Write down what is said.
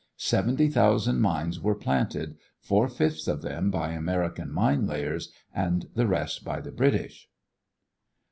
Seventy thousand mines were planted, four fifths of them by American mine layers and the rest by the British.